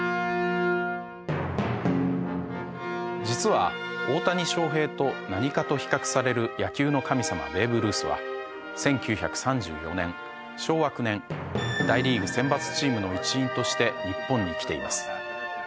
実は大谷翔平と何かと比較される野球の神様ベーブ・ルースは１９３４年昭和９年大リーグ選抜チームの一員として日本に来ています。